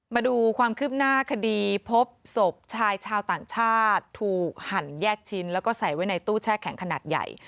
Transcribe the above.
มาดูความคืบหน้าคดีพบศพชายชาวต่างชาติถูกหั่นแยกชิ้นแล้วก็ใส่ไว้ในตู้แช่แข็งขนาดใหญ่